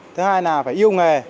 thứ hai là phải yêu nghề